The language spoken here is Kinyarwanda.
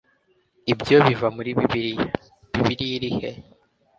Ibyo biva muri Bibiliya Muri Bibiliya iri he